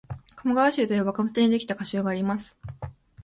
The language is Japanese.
「鴨川集」という幕末にできた歌集があります